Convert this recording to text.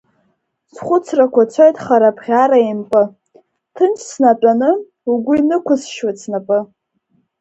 Схәыцрақәа цоит хара-бӷьара еимпы, ҭынч снатәаны, угәы инықәсшьуеит снапы.